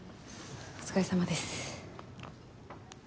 お疲れさまです。